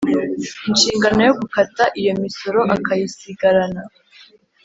inshingano yo gukata iyo misoro akayisigarana